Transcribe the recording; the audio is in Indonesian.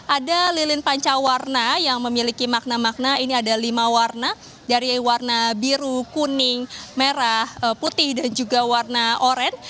ada lilin panca warna yang memiliki makna makna ini ada lima warna dari warna biru kuning merah putih dan juga warna oran